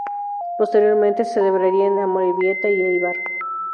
Posteriormente se celebraría en Amorebieta y Éibar.